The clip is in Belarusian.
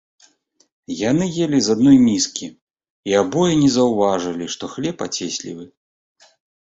Яны елі з адной міскі, і абое не заўважалі, што хлеб ацеслівы.